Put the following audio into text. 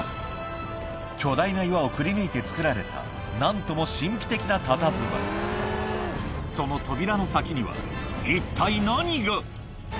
巨大な岩をくりぬいて造られた何とも神秘的なたたずまいその扉の先には一体何が？